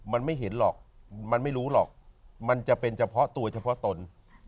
มันไม่เห็นหรอกมันไม่รู้หรอกมันจะเป็นเฉพาะตัวเฉพาะตน